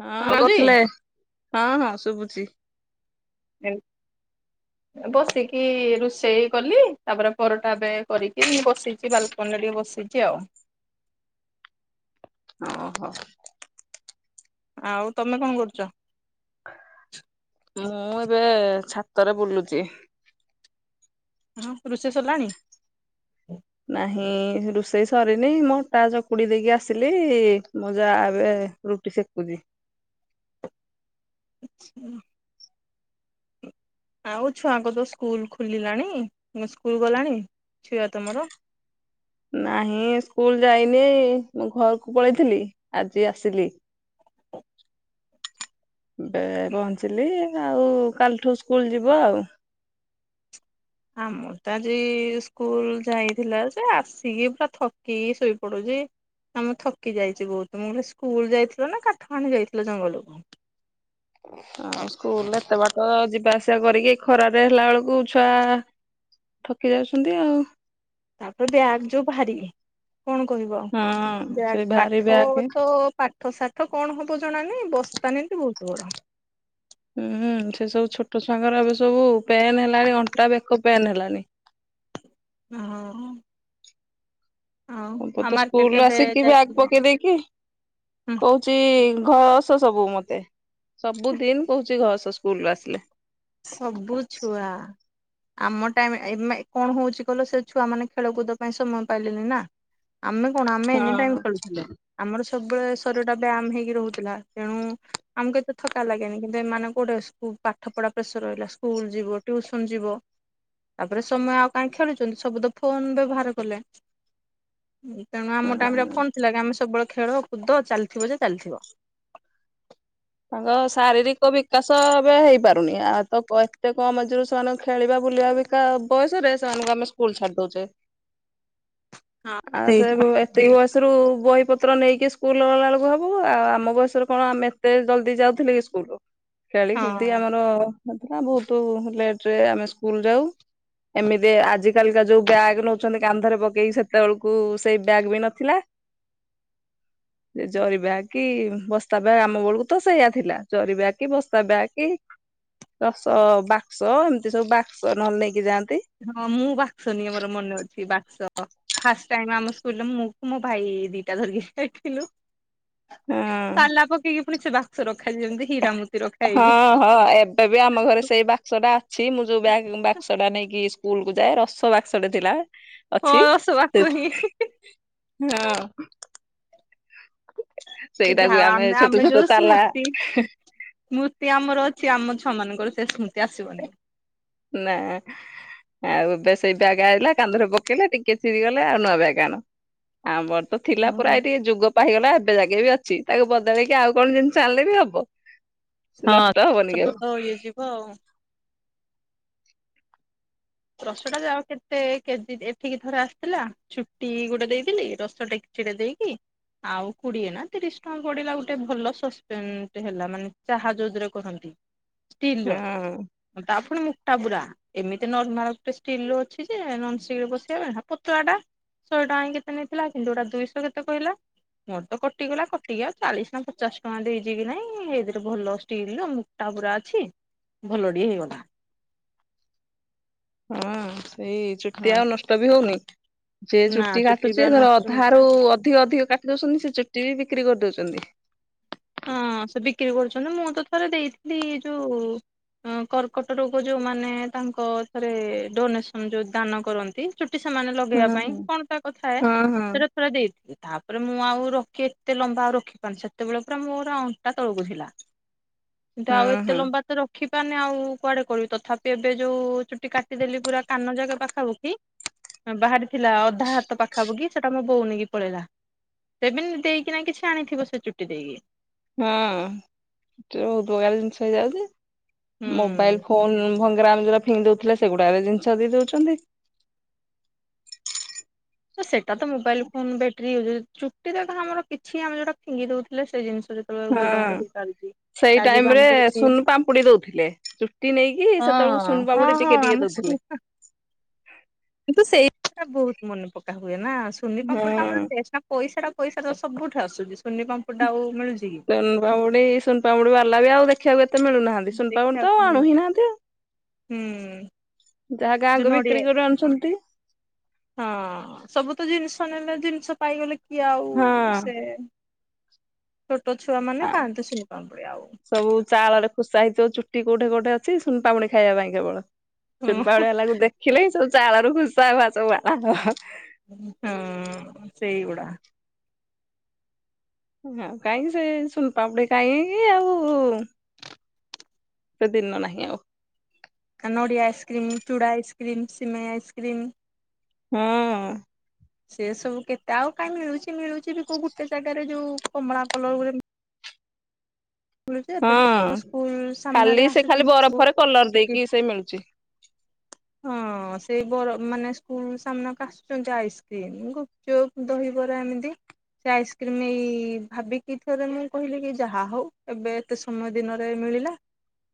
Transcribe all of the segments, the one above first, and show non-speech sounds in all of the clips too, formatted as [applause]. ହଁ ହଁଉଛି ହଁ ହଁ ଶୁଭୁଛି। ଏମ୍ ଏ ବସିକି ରୋଷେଇ କଲି। ତାପରେ ପରଟା ଏବେ କରିକି ବସିଛି ବାଲକନିରେ ଟିକେ ବସିଛି ଆଉ। ଓହୋ। ଆଉ ତମେ କଣ କରୁଚ। ମୁଁ ଏବେ ଛାତରେ ବୁଲୁଚି। ହଁ ପୁ ରୋଷେଇ ସରିଲାଣି। ନାହିଁ ରୋଷେଇ ସରିନି ମୁଁ ଅଟା ଚକୁଡି ଦେଇକି ଆସିଲି ମୁଁ ଯା ଏବେ ରୁଟି ସେକୁଚି। ଆଛା। ଆଉ ଛୁଆଙ୍କ ତ ସ୍କୁଲ ଖୋଲିଲାଣି ନା ସ୍କୁଲ ଗଲାଣି ଛୁଆ ତମର। ନାହିଁ ସ୍କୁଲ ଯାଇନି ମୁଁ ଘରକୁ ପଳେଇଥିଲି ଆଜି ଆସିଲି। [inaudible] ଏବେ ପହଞ୍ଚିଲି ଆଉ କାଲିଠୁ ସ୍କୁଲ ଯିବ ଆଉ। ଆମର ତ ଆଜି ସ୍କୁଲ ଯାଇଥିଲା ଯେ ଆସିକି ପୁରା ଥକିକି ଶୋଇପଡୁଛି। ନା ମୁଁ ଥକି ଯାଇଛି ବହୁତ ମୁଁ କଲି ସ୍କୁଲ ଯାଇଥିଲ ନା କାଠ ହାଣି ଯାଇଥିଲ ଜଙ୍ଗଲକୁ। ଆଉ ସ୍କୁଲରେ ଏତେ ବାଟ ଯିବା ଆସିବା କରିକି ଖରାରେ ହେଲା ବେଳକୁ ଛୁଆ ଥକି ଯାଉଛନ୍ତି ଆଉ। ତାପରେ ବ୍ୟାଗ ଯୋଉ ଭାରି କଣ କହିବ ହଁ ଆଉ ବ୍ୟାଗ ସେଇ ଭାରି ପାଠ ବ୍ୟାଗ ତ ପାଠ ସାାଠ କଣ ହବ ଜଣାନାହିଁ ବସ୍ତାନ ନ୍ତି ବହୁତ ବଡ। ହୁଁ ସେ ସବୁ ଛୋଟ ଛୁଆଙ୍ଗର ଏବେ ସବୁ ପେନ୍ ହେଲାଣି ଅଣ୍ଟା ବେକ ପେନ୍ ହେଲାଣି। ହଁ। ଆଉ ମୋ ପୁଅ ଆଉ ତ ମାର୍କେଟ ସ୍କୁଲୁ କେବେ ଆସିକି ବ୍ୟାଗ ଯାଇଥିଲ ପକେଇ ଦେଇକି ହୁଁ। କହୁଚି ଘସ ସବୁ ମତେ। ସବୁ ଦିନ କହୁଛି ଘସ ସ୍କୁଲୁ ରୁ ଆସିଲେ। ସବୁ ଛୁଆ। ଆମ ଟାଇମ ଏ ମେ କଣ ହଉଛି କହିଲ ସେ ଛୁଆ ମାନେ ଖେଳକୁଦ ପାଇଁ ସମୟ ପାଇଲେନି ନା। ଆମେ କଣ ଆମେ ଏନି ଟାଇମ୍ ହଁ। ଖେଳୁଥିଲେ। ଆମର ସବୁବେଳେ ଶରୀର ଟା ବ୍ୟାୟାମ ହେଇକି ରହୁଥିଲା ତେଣୁ ଆମକୁ ଏତେ ଥକା ଲାଗେନି କିନ୍ତୁ ଏମାନେଙ୍କୁ କୋଉଟେ ସ୍କୁଲ୍ ପାଠ ପଢା ପ୍ରେସର ରହିଲା ସ୍କୁଲ ଯିବ ଟିଉସନ ଯିବ। ତାପରେ ସମୟ ଆଉ କାହିଁ ଖେଳୁଛନ୍ତି ସବୁ ତ ଫୋନ ବ୍ୟବହାର କଲେ। ତେଣୁ ଆମ ଟାଇମରେ ହଁ ଫୋନ ଥିଲା କି ଆମେ ସବୁବେଳେ ଖେଳକୁଦ ଚାଲିଥିବ ଯେ ଚାଲିଥିବ। ତାଙ୍କ ଶାରୀରିକ ବିକାଶ ଏବେ ହେଇପାରୁନି ଆଉ ତ ପ ଏତେ କମ ଏଜେରୁ ସେମାନଙ୍କୁ ଖେଳିବା ବୁଲିବା ବି ଳିବା ବୟସରେ ସେମାନଙ୍କୁ ଆମେ ସ୍କୁଲ ଛାଡି ଦଉଛେ ଆ ହଁ ସେ ବୃ ଏ ତିକି ବୟସରୁ ବହିପତ୍ର ନେଇକି ସ୍କୁଲ ଗଲା ବେଳକୁ ହବ ଆଉ ଆମ ବୟସରେ କଣ ଆମେ ଏତେ ଜଲଦି ଯାଉଥିଲେ କି ସ୍କୁଲ ଖେଳି କୁଦି ଆମର ନଥିଲା ବହୁତ ଲେଟରେ ଆମେ ସ୍କୁଲ ଯାଉ। ଏମିତି ଆଜି କାଲିକା ଯୋଉ ବ୍ୟାଗ୍ ନଉଛନ୍ତି କାନ୍ଧରେ ପକେଇକି ସେତେବେଳକୁ ସେଇ ବ୍ୟାଗ୍ ବି ନଥିଲା। ସେ ଜରି ବ୍ୟାଗ କି ବସ୍ତା ବ୍ୟାଗ ଆମ ବେଳକୁ କୁ ତ ସେଇଆ ଥିଲା ଜରି ବ୍ୟାଗ କି ବସ୍ତା ବ୍ୟାଗ କି ରସ ବାକ୍ସ ଏମିତି ସବୁ ବାକ୍ସ ନହେଲେ ନେଇକି ଯାଆନ୍ତି। ହଁ ମୁଁ ବାକ୍ସ ନିଏ ମୋର ମନେ ଅଛି ବାକ୍ସ। ଫାଷ୍ଟ ଟାଇମ ଆମ ସ୍କୁଲରେ ମୁଁ ମୋ ଭାଇ ଦିଟା ଧରିକି ଯାଇଥିଲୁ। ହଁ ତାଲା ପକେଇକି ପୁଣି ସେ ବାକ୍ସ ରଖାଯାଏ ଯେମିତି ହୀରାମୁତି ରଖ ହଁ ହଁ ଏବେ ବି ଆମ ଘରେ ସେଇ ବାକ୍ସଟା ଅଛି ମୁଁ ଯୋଉ ବ୍ୟାଗ୍ ବାକ୍ସ ଟା ନେଇକି ସ୍କୂ ସ୍କୁଲ କୁ ଯାଏ ରସ ବାକ୍ସଟେ ଥିଲା ହଁ ଅଛି ଦଶ ବାକ୍ସ ସେ ହିଁ ହଁ। ସେ ସେଇଟାକୁ ଯାହା ହଉ ଆମେ ଛୋଟ ଆମେ ଛୋଟ ଯୋଉ ତାଲା ସ୍ମୃତି। ମୁତି ଆମର ଅଛି ଆମ ଛୁଆ ମାନଙ୍କର ସେ ସ୍ମୃତି ଆସିବନି। ନା। ଆଉ ଏବେ ସେଇ ବ୍ୟାଗ ଆଇଲା କାନ୍ଧରେ ପକେଇଲେ ଟିକେ ଚିରିଗଲେ ଆଉ ନୂଆ ବ୍ୟାଗ ଆଣ। ଆମର ତ ଥିଲା ପୁରା ହଁ। ଏଇ ଟି ଯୁଗ। ପା ହେଇଗଲା ଏବେ ଜାକେ ବି ଅଛି ତାକୁ ବଦଳେଇକି ଆଉ କଣ ଜିନିଷ ଆଣିଲେ ବି ହବ। ସେ ନଷ୍ଟ ହବନିି କେ। ହଉ। ରସଟା ଯାଉ କେତେ କେ ଜି ଏଠିକି ଥରେ ଆସିଥିଲା। ଚୁଟି ଗୋଟେ ଦେଇଥିଲି ରସ ଡେକଚି ଟେ ଦେଇକି। ଆଉ କୁଡିଏ ନା ତିରିଶ ଟଙ୍କା ପଡିଲା ଗୋଟେ ଭଲ ସସ୍ପେନ ଟେ ହେଲା ମାନେ ଚାହା ଯୋଉଥିରେ କରନ୍ତି। ଷ୍ଟିଲର ହଁ ହଁ ତା ପୁଣି ମୁଟା ପୁରା ଏମିତି ନ [unintelligible] ଗୋଟେ ଷ୍ଟିଲର ଅଛି ଯେ ନନଷ୍ଟିକରେ ବସେଇବା ପାଇଁ ହେ ପତଳାଟା। ଶହେ ଟଙ୍କା କି କେତେ ନେଇଥିଲା କିନ୍ତୁ ଏଇଟା ଦୁଇଶ କେତେ କହିଲା। ମୋର ତ କଟିଗଲା କଟିିକି ଆଉ ଚାଳିଶ ନା ପଚାଶ ଟଙ୍କା ଦେଇଛି କି ନାଇଁ ଏଇଥିରେ ଭଲ ଷ୍ଟିଲର ମୁଁ। ଟା ପୁରା ଅଛି ଭଲ ଟିଏ ହେଇଗଲା। ହୁଁ ସେଇ ଚୁଟି ହଁ ଆଉ ନଷ୍ଟ ବି ହଉନି। ଯେ ନା ଚୁଟି ବା କାଟୁଚି ଧର ନଷ୍ଟ ଅଧା ରୁ ଅଧିକ ଅଧିକ କାଟ ଟିଦଉଛନ୍ତି ସେ ଚୁଟି ବି ବିକ୍ରି କରିଦଉଛନ୍ତି। ହଁ ସେ ବିକ୍ରି କରୁଛନ୍ତି ମୁଁ ତ ଥରେ ଦେଇଥିଲି ଯୋଉ। ଅଁ କର୍କଟ ରୋଗ ଯୋଉମାନେ ତାଙ୍କ ଥରେ ଡୋନେସନ ଯୋଉ ଦାନ କରନ୍ତି। ଚୁଟି ସେମାନେ ହଁ ଲଗେଇବା ହଁ ପାଇଁ କଣ ତାକ୍ ଥାଏ ହଁ ସେଟା। ହଁ ଥରେ ଦେଇଥିଲି ତାପରେ ମୁଁ ଆଉ ରଖି ଏତେ ଲମ୍ବା ଆଉ ରଖିପାରୁନି ସେତେବେଳେ। ପୁରା ମୋର ଅଣ୍ଟା ତଳକୁ ଥିଲା କିନ୍ତୁ ଆଉ ହଁ ହଁ ଏତେ ଲମ୍ବା ତ ର ଖିପାରୁନି ଆଉ କୁଆଡେ କରିବି ତଥାପି ଏବେ ଯୋଉ ଚୁଟି କାଟିଦେଲି ପୁରା କାନ ଯାକେ ପାଖାପାଖି। ବାହାରି ଥିଲା ଅଧା ହାତ ପାଖାପାଖି ସେଟା ମୋ ବୋଉ ନେଇକି ପଳେଇଲା। ସେ ବିନ ଦେଇକିନା କିଛି ଆଣିଥିବ ସେ ଚୁଟି ଦେଇକି। ହଁ ଯୋଉ ଉପକାର ଜିନିଷ ହେଇଯାଉଛି। ହୁଁ ମୋବାଇଲ ଫୋନ ଭଙ୍ଗାରାମ ଯୋଉରା ଫିଙ୍ଗି ଦଉଥିଲେ ସେଗୁଡାକ ଜିନିଷ ଦେଇ ଦଉଛନ୍ତି। ତ ସେଟା ତ ମୋବାଇଲ ଫୋନ ବେଟରି [unintelligible] ଚୁଟି ରେ କଣ ଆମର କିଛି ଆମେ ଯୋଉଟା ଫିଙ୍ଗି ଦଉଥିଲେ ସେ ଜିନିଷ [unintelligible] ହଁ। ଵ୍ୟବହାର ବି ଚାଲିଛି। ସେଇ ଟାଇମ ରେ ସୁନ ପାମ୍ପୁଡି ଦଉଥିଲେ ଚୁଟି ନେଇକି ହଁ ସେତେବେଳକୁ ସୁନ ହଁ ପାମ୍ପୁଡି ହଁ ଟିକେ ଟିକେ ଆମ ଦଉଥିଲେ। କିନ୍ତୁ ସେଇଟା ବହୁତ ମନେ ପକା ହୁଏ ନା ସୁନି ପାମ୍ପୁଡି ଟା ଆମର ଟେଷ୍ ପଇସା ଟା ପଇସା ତ ସବୁଠୁ ଆସୁଛି। ସୁନି ପାମ୍ପୁଡି ଟା ଆଉ ମିଳୁଛି କି? ସୁନ ପାମ୍ପୁଡି ସୁନ ପାମ୍ପୁଡି ବାଲା ବି ଆଉ ଦେଖିବାକୁ ଏତେ ମିଳୁନାହାନ୍ତି ସୁନ ପାମ୍ପୁଡି ତ ଆଉ ଦେଖିବାକୁ ମିଳୁନି ଆଣୁହି ନାହାନ୍ତି ହୁଁ ଆଉ। ଯାହା ଯୋଉ ଗାଁକୁ ନଡିଆ ବିକ୍ରି କରି ଆଣୁଛନ୍ତି। ହଁ ସବୁ ତ ଜିନିଷ ନେଲେ ଜିନିଷ ପାଇଗଲେ କିଏ ଆଉ ହଁ ସେ। ଛୋଟ ଛୁଆମାନେ ଖାଆନ୍ତି ସୁନୁ ପାମ୍ପୁଡି ଆଉ। ସବୁ ଚାଳରେ ଖୁସା ହେଇଥିବ ଚୁଟି କୋଉଠେ କୋଉଠେ ଅଛି ଶୁନପାମ୍ପୁଡି ଖାଇବା ପାଇଁ କେବଳ। ସୁୁନ ହଁ ପାମ୍ପୁଡିବାଲାକୁ ଦେଖିଲେ ସବୁ ଚାଳରୁ ଖୁସା [unintelligible] ଉଁ ହୁଁ ସେଇଗୁଡା। ହୁଁ କାହିଁ ସେ ସୁନପାମ୍ପୁଡି କାହିଁ ଆଉ। ସେ ଦିନ ନାହିଁ ଆଉ। କା ନଡ଼ିଆ ଆଇସ୍କ୍ରିମ୍, ଚୁଡ଼ା ଆଇସ୍କ୍ରିମ୍, ସିମେଇ ଆଇସ୍କ୍ରିମ୍। ହୁଁ। ସେ ସବୁ କେତେ ଆଉ କାହିଁ ମିଳୁଛି ମିଳୁଛି ବି କୋଉ ଗୁଟେ ଜାଗାରେ ଯୋଉ କମଳା କଲର ଗୋ ହୁଁ ଏତେ ଟେଷ୍ଟ। ସ୍କୁଲ ସାମ୍ନାରେ ଖାଲି ସେ ଖାଲି ଆସୁଛନ୍ତି ସବୁ ବରଫରେ କଲର ଦେଇକି ସେ ମିଳୁଛି। [inaudible] ହଁ ସେଇ ବର ମାନେ ସ୍କୁଲ ସାମ୍ନାକୁ ଆସୁଛନ୍ତି ଆଇସ୍କ୍ରିମ, ଗୁପଚୁପ, ଦହିବରା ଏମିତି। ସେ ଆଇସ୍କ୍ରିମ ଏଇ ଭାବିକି ଥରେ ମୁଁ କହିଲି କି ଯାହା ହଉ ଏବେ। କେତେ ସମୟ ଦିନରେ ମିଳିଲା,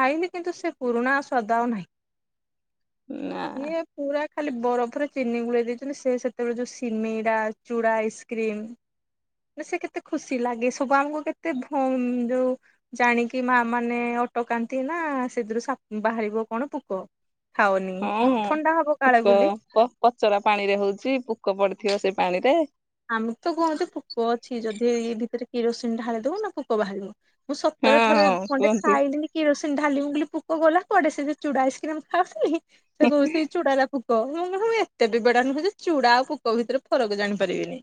ଖାଇଲି କିନ୍ତୁ ସେ ପୁରୁଣା ସ୍ଵାଦ ଆଉ ନାହିଁ। ନାଁ। ଇଏ ପୁରା ଖାଲି ବରଫରେ ଚିନି ଗୁଳେଇ ଦେଇଛନ୍ତି, ସେ ସେତେବେଳେ ଯୋଉ ସିମିରା, ଚୁଡ଼ା ଆଇସ୍କ୍ରିମ ଯେ ସେ କେତେ ଖୁସି ଲାଗେ ସବୁ ଆମକୁ କେତେ ଭଉଁ ଯୋଉ ଜାଣିକି ମା ମାନେ ଅଟକାନ୍ତି ନା, ସେଥିରୁ ସାପ ବାହାରିବ କଣ ପୋକ। ଖାଉନି, ହଁ ହଁ। ଥଣ୍ଡା ହବ କାଳେ ପୋକ ବୁଲି ପ ପଚରା ପାଣିରେ ହଉଛି, ପୋକ ପଡିଥିବ ସେ ପାଣିରେ ଆମକୃତ କୁହନ୍ତି ପୋକ ଅଛି ଯଦି ଏଇ ଭିତରେ କିରୋସିନ ଢାଳିଦବ ନା ପୋକ ବାହାରିବ। ମୁଁ ହଁ ସତରେ ଥରେ, ହଁ ଖଣ୍ଡେ କୁହନ୍ତି। ଖାଇଲିିନି କିରୋସିନ ଢାଳିଲି ପୋକ ଗଲା କୁଆଡେ ସେ ଯୋଉ ଚୁଡା ଆଇସ୍କ୍ରିମ ଖାଉଥିଲି, ସେ ଚୁଡ଼ାର ପୋକ, ମୁଁ ଏତେ ବିି ବେଡା ନୁହଁ ଯେ ଚୁଡା ଆଉ ପୋକ ଭିତରେ ଫରକ ଜାଣିପାରିବିନି।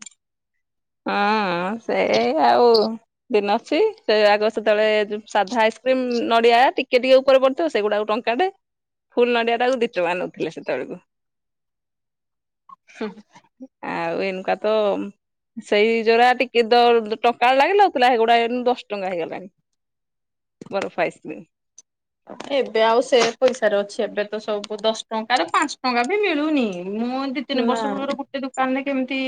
ହଁ ସେ ଆଉ ଦିନ ଅଛି ସେ ଆଗ ସେତେବେଳେ ଯୋଉ ସାଧା ଆଇସ୍କ୍ରିମ, ନଡିଆ ଟିକେ ଟିକେ ଉପରେ ପଡିଥିବ ସେଗୁଡା ଟଙ୍କା ସିଆଡେ ଫୁଲ୍ ନଡିଆଟାକୁ ଦିଟଙ୍କା ନେଉଥିଲେ ସେତେବେଳକୁ ହୁଁ। ଆଉ ଏଇନୁକାତ ସେଇ ଯୋରା ଟିକେ ଦର୍ ଟଙ୍କାଏ ଲାଗୁଥିଲା ସେଗୁଡା ଏଇନେ ଦଶ ଟଙ୍କା ହେଇଗଲାଣି। ବରଫ ଆଇସ୍କ୍ରିମ୍ ଏବେ ଆଉ ସେ ପଇସାରେ ଅଛି ଏବେ ତ ସବୁ ଦଶ ଟଙ୍କ ର ପାଞ୍ଚ ଟଙ୍କା ବି ମିଳୁନି ମୁଁ ଦି, ତିନି ବର୍ଷ ନା ପୂର୍ବରୁ ଗୋଟେ ଦୋକାନରେ କେମିତି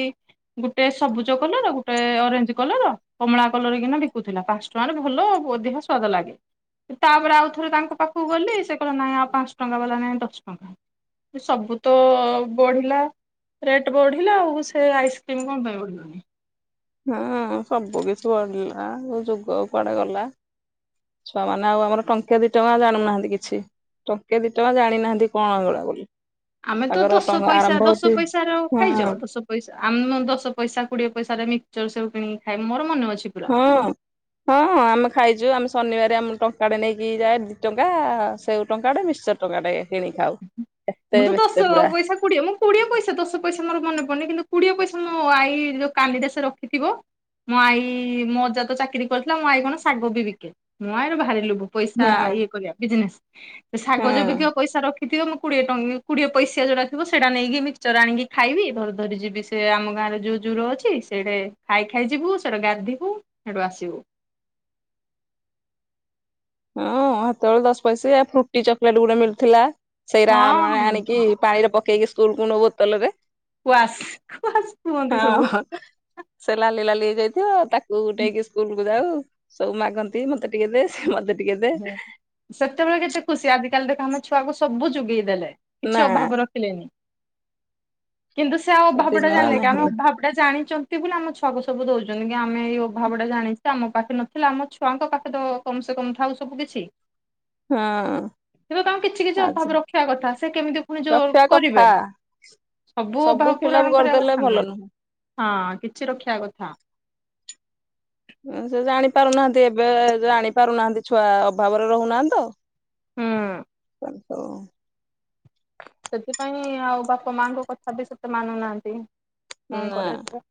ଗୁଟେ ସବୁଜ କଲର, ଗୁଟେ ଅରେଞ୍ଜ କଲର କମଳା କଲର କିନା ବିକୁଥିଲା। ପାଞ୍ଚ ଟଙ୍କାରେ ଭଲ ଅଧିକା ସ୍ବାଦ ଲାଗେ ତାପରେ ଆଉ ଥରେ ତାଙ୍କ ପାଖକୁ ଗଲି, ସେ କଇଲା ନାଇଁ ଆଉ ପାଞ୍ଚ ଟଙ୍କା ବାଲା ନାଇଁ ଦଶ ଟଙ୍କା। ସବୁ ତ ଅ ବଢିଲା ରେଟ୍ ବଢିଲା, ଆଉ ସେ ଆଇସ୍କ୍ରିମ୍ କଣ ପାଇଁ ବଢିବନି? ହଁ ସବୁ କିଛି ବଢିଲା, ଯୁଗ କୁଆଡେ ଗଲା। ଛୁଆମାନେ ଆଉ ଆମର ଟଙ୍କେ ଦିଟଙ୍କା ଜାଣୁନାହାନ୍ତି କିଛି। ଟଙ୍କେ, ଦିଟଙ୍କା ଜାଣିନାହାନ୍ତି କଣ ହେଇଗୁଡ଼ା ବୋଲି ଆମେ ତ ତାଙ୍କର ଦଶ ଟଙ୍କା ପଇସା, ଆରମ୍ଭ ହଉଛି ଦଶପଇସାର ହଁ ଖାଇବ ଦଶ ପଇସା ଆମ ଦଶ ପଇସା କୋଡିଏ ପଇସାରେ ମିକଚର ସବୁ କିଣିକି ଖାଏ, ମୋର ମନେ ଅଛି ଖୁ ହଁ। ହଁ ହଁ ଆମେ ଖାଇଛୁ, ଆମେ ଶନିବାରିଆ ଟଙ୍କାଟେ ନେଇକି ଯାଏ ଦିଟଙ୍କା ସେ ଟଙ୍କା ଟେ ମିଶ୍ଚର ଟଙ୍କା ଟେ କିଣି ଖାଉ ମୁଁ ଏତେ ତ ଦଶ ବ୍ୟସ୍ତେ ପୁରା ପଇସା କୋଡିଏ ମୁଁ କୋଡିଏ ପଇସା ଦଶ ପଇସା ମୋର ମନେ ପଡନି କିନ୍ତୁ କୋଡିଏ ପଇସା ମୋ ଆଇ ଯୋଉ କାନିରେ ସେ ରଖିଥିବ ମୋ ଆଈ ମୋ ଅଜା ତ ଚାକିରି କରିଥିଲା ମୋ ଆଈ କଣ ଶାଗ ବି ବିକେ ମ ଆଇର ଭାରି ଲୋଭ। ପଇସା ହଁ। ଇଏ କରିବା ବିଜନେସ ହଁ ଶାଗ ଜେ ବିିକିବପଇସା ରଖ ଥିବ ମୁଁ କୋଡ଼ିଏ କୋଡିଏ ପଇସା ଯଉରା ଥିବ ସେଟା ନେଇକି ମିକ୍ଚର ଆଣିକି ଖାଇବି ଧରି ଧରି ଯିବି ସେ ଆମ ଗାଁରେ ଯୋଉ ଜର ଅଛି ସେଟେ ଖାଇ ଖାଇ ଯିବୁ ସେଟା ଗାଧିବୁ ସେଠୁ ଆସିବୁ। ହଁ ସେତେ ହେଳେ ଦଶ ପଇସା ଫ୍ରୁଟି ଚକୋଲେଟ ଗୁଡେ ମିଳୁଥିଲା ସେଇରା ହଁ ଆମେ ହଁ ଆଣିକି ପାଣିରେ ପକେଇକି ସ୍କୁଲକୁୁ ବୋତଲରେ କୁଆସ ଆସ କୁହନ୍ତି ସବୁ ହଁ। ସେ ଲାଲି ଲାଲି ହେ ଯାଇଥିବ ତାକୁ ଉଟେଇକି ସ୍କୁଲକୁୁ ଯାଉ ସବୁ ମାଗନ୍ତି ମତେ ଟିକେ ଦେ ସେ ମତେ ଟ ହୁଁ ସେତେବେଳେ କେତେ ଖୁସି ଆଜିକାଲି ଦେଖ ଆମେ ଛୁଆକୁ ସବୁ ଯୋଗେଇ ଦେେଲେ କିଛି ନା ଅଭାବ ର ରଖିଲେ ନିକିନ୍ତୁ ସେ ଆଉ ଅଭାବଟ ଦିନ ଜାଣିଲେ କି ଆମ ନାହିଁ ଅଭାବ ଏଇଟା ଜାଣିଚନ୍ତି ବୋଲି ଆମ ଛୁଆକୁ ସବୁ ଦଉଚ, ନ୍ତି ଆମେ ଏଇ ଅଭାବ ଟା ଜାଣିଚେ ଆମ ପାଖରେ ନ ହେଲା ଆମ ଛୁଆଙ୍କ ପାଖେ ତ କମ ସେ କମ୍ ଥାଉ ସବୁ କିିଛି। ହଁ। କି ତାଙ୍କୁ କିଛି କିଛି ଆଜି ଅଭାବ ରଖିବା କଥା ସେ କେମିତି ପୁଣି ଯୋଉ ରଖିବା କରିବେ କଥା ସବୁ ଅଭାବ ଫିଲପ ପୂୁରଣ କରିବା କରିଦେଲେ କଥା ଭଲ ନୁହଁ। ନୁହେ କିଛି ରଖିବା କଥା। ହୁଁ ସେ ଜାଣି ପାରୁନାହାନ୍ତି ଏବେ ଜାଣିପାରୁନାହାନ୍ତି ଛୁଆ ଅଭାବରେ ରହୁନାହାନ୍ତି ତ ହୁଁ ହ। ସେଥିପାଇଁ ଆଉ ବାପା ମାଙ୍କ କଥା ବି ସେତେ ମାନୁନାହାନ୍ତି କଣ ନା କରାଯ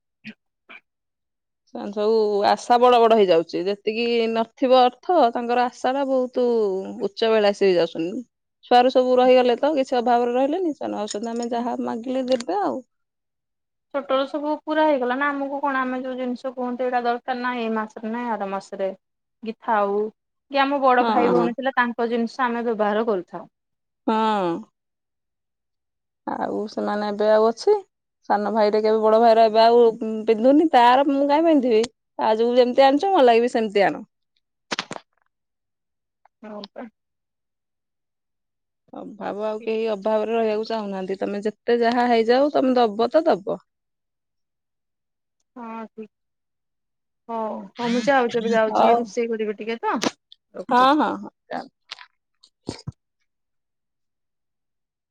ସବୁ ଆଶା ବଡ ବଡ ହେଇଯାଉଛି ଯେତିକି ନଥିବ ଅର୍ଥ ତାଙ୍କର ଆଶା ଟା ବହୁତ ତୁ ଉଚ୍ଚ ବେଳା ଆସିକି ଯାଉଛୁନି ଛୁଆରୁ ସବୁ ରହିଗଲେ ତ କିଛି ଅଭାବରେ ରହିଲେନି। ନ ଔଷଧ ଆମେ ଯାହା ମାଗିଲେ ଦେବେ ଆଉ। ଛୋଟ ସବୁ ପୁରା ହେଇଗଲା ନା ଆମକୁ କଣ ଆମେ ଯୋଉ ଜିନିଷ କୁହନ୍ତିୁ ଏଇଟା ଦରକାର ନା ଏଇ ମାସରେ ନାାଇଁ ଆର ମାସରେ। କି ଥାଉ। କି ଆମ ବଡ ହଁ ଭାଇ ଭଉଣୀ ଥିଲା ତାଙ୍କ ଜିନିଷ ଆମେ ବ୍ୟବହାର କରିଥାଉ। ହଁ। ଆଉ ସେମାନେ ଏବେ ଆଉ ଅଛି। ସାନ ଭାଇଟା କେବେ ବଡ ଭାଇର ଏବେ ଆଉ ପିନ୍ଧୁନି ତାର ମୁଁ କାଇଁ ପିନ୍ଧିବି। ଆଜକୁ ଯେମିତି ଆଣିଛ ମଲ ଲାଗି ସେମିତି ଆଣ। [unintelligible] ଅଭାବ ଆଉ ଠିକ କେହି ଅଭାବରେ ରହିବାକୁ ଚାହୁଁନାହାନ୍ତି ତମେ ଯେତେ ଯାହା ହେଇଯାଉ ତମେ ଦବ ତ ଦବ। ହଁ ଠିକ ହଉ। ହଁ ମୁଁ ଯାଉଛିବେ ଯାଉଛି ହଉ ରୋଷେଇ କରିବି ଟିକେ ତ ହଁ ରଖୁଛି। [inaudible]